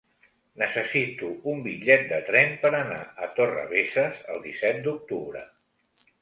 Necessito un bitllet de tren per anar a Torrebesses el disset d'octubre.